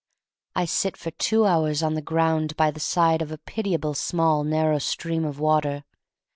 I sit for two hours on the ground by the side of a pitiably small narrow stream of water.